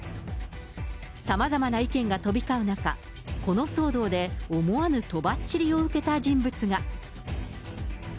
さまざまな意見が飛び交う中、この騒動で思わぬとばっちりを受けた人物が。